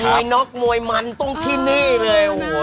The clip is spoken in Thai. หมวยนกหมวยมันตรงที่นี่เลยโอ้ว